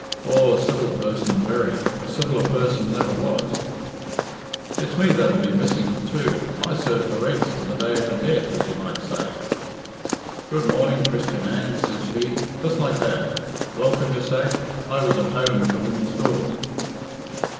"Aw, a civil person, very a civiller person never was." "It's me that'll be missing her too. I served her eggs to the day of her death, as you might say. 'Good morning, Christian Anne,' says she just like that. Welcome, you say? I was at home at the woman's door."